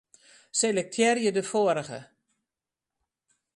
Selektearje de foarige.